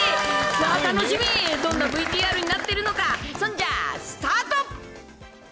楽しみ、どんなＶＴＲになっているのか、そんじゃあ、スタート。